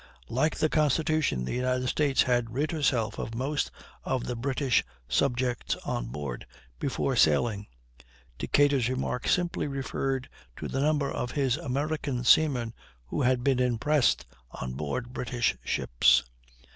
Like the Constitution, the United States had rid herself of most of the British subjects on board, before sailing. Decatur's remark simply referred to the number of his American seamen who had been impressed on board British ships.